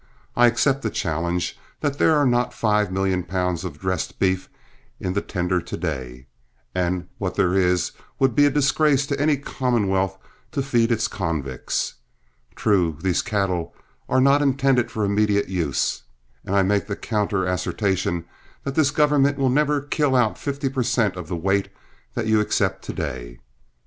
I accept the challenge that there are not five million pounds of dressed beef in their tender to day, and what there is would be a disgrace to any commonwealth to feed its convicts. True, these cattle are not intended for immediate use, and I make the counter assertion that this government will never kill out fifty per cent. of the weight that you accept to day.